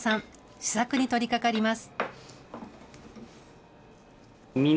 試作にとりかかります。